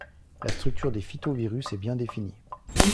La structure des phytovirus est bien définie.